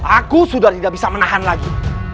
aku sudah tidak bisa menahan lagi